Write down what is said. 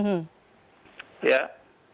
ya pk itu adalah